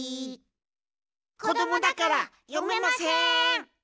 こどもだからよめません。